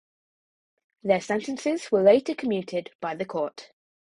Their sentences were later commuted by the court.